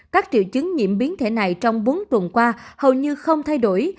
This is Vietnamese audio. các triệu chứng nhiễm biến thể này trong bốn tuần qua hầu như không thay đổi